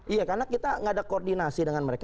iya karena kita tidak ada koordinasi dengan mereka